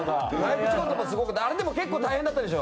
あれでも結構大変だったでしょ。